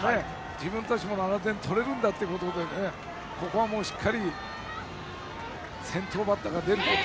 自分たちも７点取れるんだとここはしっかり先頭バッターが出ること。